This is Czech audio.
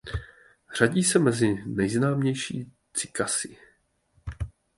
Řadí se mezi nejznámější cykasy.